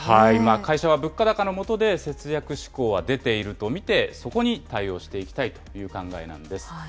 会社は物価高のもとで節約志向は出ていると見て、そこに対応していきたいという考えなんです。